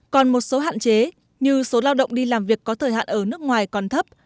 còn một số hạn chế như số lao động đi làm việc có thời hạn ở nước ngoài còn thấp